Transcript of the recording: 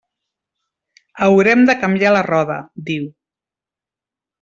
«Haurem de canviar la roda», diu.